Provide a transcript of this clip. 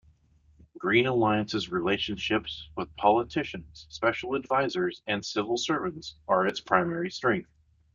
Green Alliance's relationships with politicians, special advisers and civil servants are its primary strength.